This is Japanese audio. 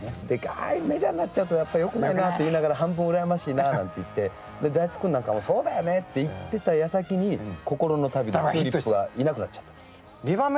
ああ、メジャーになっちゃうとよくないなって言いながら、半分羨ましいなあなんていって、財津君なんかもそうだよねって言ってたやさきに、心の旅でチューリップがいなくなっちゃった。